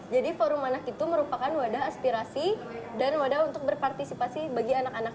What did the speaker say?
jadi forum anak itu merupakan wadah aspirasi dan wadah untuk berpartisipasi bagi anak anak